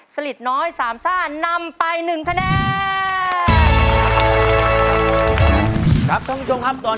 สลิดน้อยสามซ่านำไป๑คะแนน